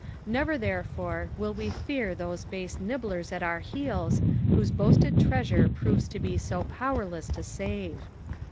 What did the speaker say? Never, therefore, will we fear those base nibblers at our heels, whose boasted treasure pfovea to bo so powerless to save.